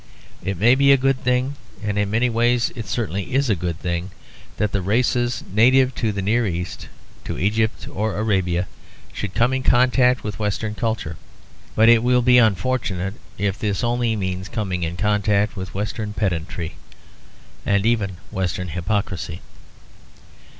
It may be a good thing, and in many ways it certainly is a good thing, that the races native to the Near East, to Egypt or Arabia, should come in contact with Western culture; but it will be unfortunate if this only means coming in contact with Western pedantry and even Western hypocrisy.